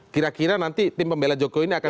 kira kira nanti tim pembela jokowi ini akan